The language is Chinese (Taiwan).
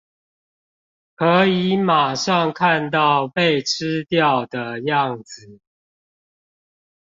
可以馬上看到被吃掉的樣子